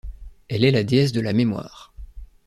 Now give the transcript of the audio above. Elle est la déesse de la Mémoire.